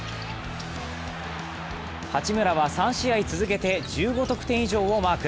八村は３試合続けて１５得点以上をマーク。